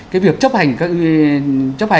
cái việc chấp hành